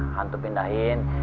kan tuh pindahin